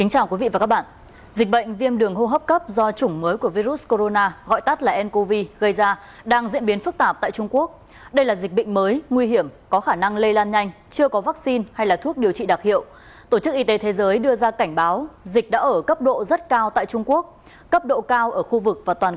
hãy đăng ký kênh để ủng hộ kênh của chúng mình nhé